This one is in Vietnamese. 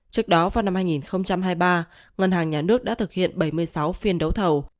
trước đó vào năm hai nghìn hai mươi ba ngân hàng nhà nước đã thực hiện bảy mươi sáu phiên đấu thầu